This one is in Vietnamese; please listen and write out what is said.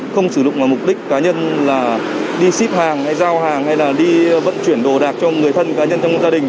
không sử dụng vào mục đích cá nhân là đi ship hàng hay giao hàng hay là đi vận chuyển đồ đạc cho người thân cá nhân trong gia đình